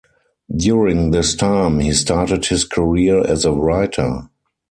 During this time he started his career as a writer.